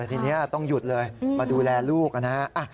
ทีนี้ต้องหยุดเลยมาดูแลลูกนะฮะ